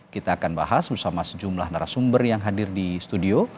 kita akan bahas bersama sejumlah narasumber yang hadir di studio